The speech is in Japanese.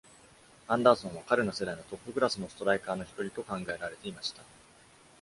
アンダーソンは彼の世代のトップクラスのストライカーの一人と考えられていました。